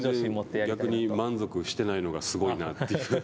逆に満足していないのがすごいなという。